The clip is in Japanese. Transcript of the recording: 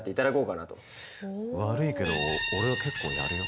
悪いけど俺は結構やるよ。